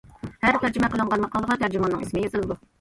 ھەر تەرجىمە قىلىنغان ماقالىغا تەرجىماننىڭ ئىسمى يېزىلىدۇ.